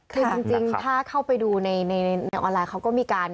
คือจริงถ้าเข้าไปดูในออนไลน์เขาก็มีการ